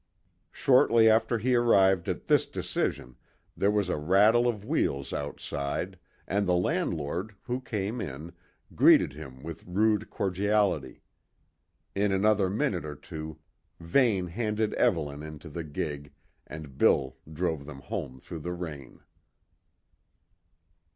Shortly after he arrived at this decision, there was a rattle of wheels outside and the landlord, who came in, greeted him with rude cordiality. In another minute or two Vane handed Evelyn into the gig, and Bill drove them home through the rain.